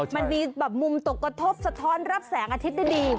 มันมีแบบมุมตกกระทบสะท้อนรับแสงอาทิตย์ได้ดี